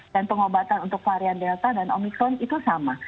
dan pengobatan untuk varian delta dan omikron itu sama